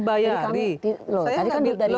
saya kan dari mana